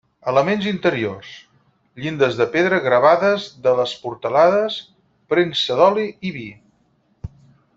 Elements interiors: llindes de pedra gravades de les portalades, premsa de l'oli i vi.